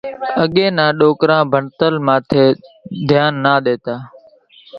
اڳيَ نا ڳئيڍيا ڀڻتر ماٿيَ ڌيانَ نا ۮيتا۔